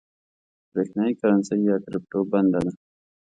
برېښنايي کرنسۍ یا کريپټو بنده ده